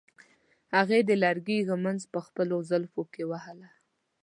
هغې د لرګي ږمنځ په خپلو زلفو کې وهله.